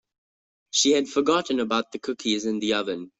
She had forgotten about the cookies in the oven.